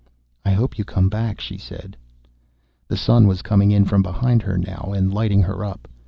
"I hope you come back," she said. The sun was coming in from behind her, now, and lighting her up.